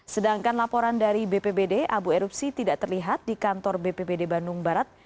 sedangkan laporan dari bpbd abu erupsi tidak terlihat di kantor bpbd bandung barat